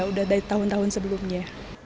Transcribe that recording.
udah dari tahun tahun sebelumnya